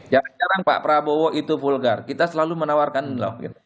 jarang jarang pak prabowo itu vulgar kita selalu menawarkan blockin